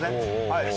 はい。